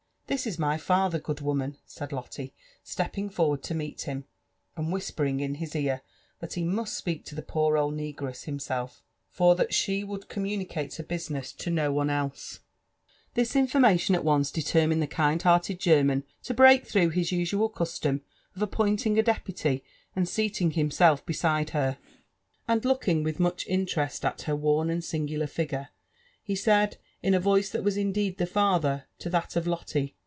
'* This is my father, good woman," said Lotte, stepping forward to meet him, and whispering in his ear, that he must speak to the poor old ncgress himself, for that she»would communicate her business to no one else. JONATHAN JEFFERSON WHITLAW. m This information at once determined the kind ^hearted German to break through his usual custom of appointing a deputy, and sealing himself beside her, and looking wkh much interest at her worn and singular figure, he said, in a voice thai was indeed the father to that of Lotte.